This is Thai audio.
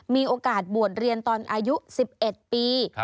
มีโอกาสบวชเรียนตอนอายุ๑๑ปี